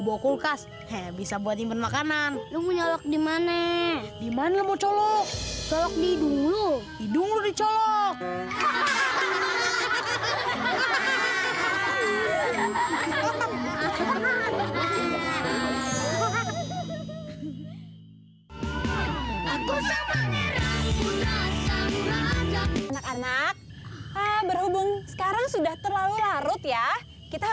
mudah mudahan ya selama ntar ketemu orang hutan hahaha